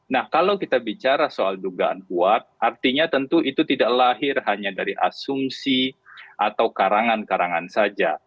nah kalau kita bicara soal dugaan kuat artinya tentu itu tidak lahir hanya dari asumsi atau karangan karangan saja